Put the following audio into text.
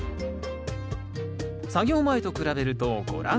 作業前と比べるとご覧のとおり。